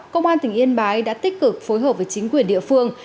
công an tỉnh yên bái đã tích cực phối hợp với chính quyền địa phương